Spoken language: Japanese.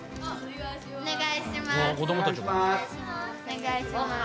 お願いします。